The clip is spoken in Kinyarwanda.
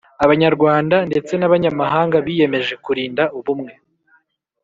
Abanyarwanda ndetse n ‘abanyamahanga biyemeje kurinda ubumwe.